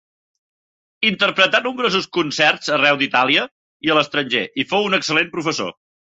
Interpretà nombrosos concerts arreu d'Itàlia i a l'estranger i fou un excel·lent professor.